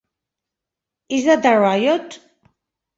"Is That a Riot?"